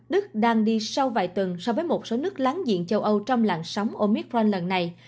đức đang đi sâu vài tuần so với một số nước láng diện châu âu trong làn sóng omicron lần này